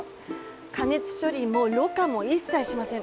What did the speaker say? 加熱処理もろ過も一切しません。